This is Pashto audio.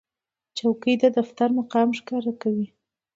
چوکۍ د دفتر مقام ښکاره کوي.